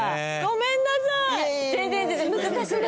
ごめんなさい！